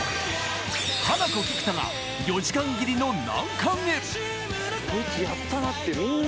ハナコ菊田が４時間切りの難関へ。